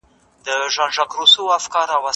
ارغوان، چي زما محبوب ګل دی، تازه غوټۍ سپړلي وې.